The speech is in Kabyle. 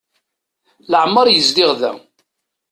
Leɛmer yezdiɣ da.